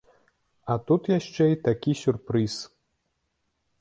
А тут яшчэ і такі сюрпрыз!